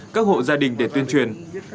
các hộ gia đình để tuyên truyền